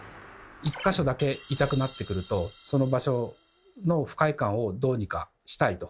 １か所だけ痛くなってくるとその場所の不快感をどうにかしたいと。